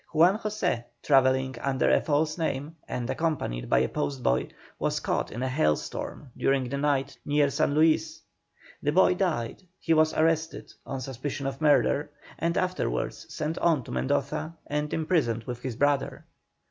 Juan José, travelling under a false name and accompanied by a post boy, was caught in a hailstorm during the night near San Luis; the boy died, he was arrested on suspicion of murder, and afterwards sent on to Mendoza and imprisoned with his brother.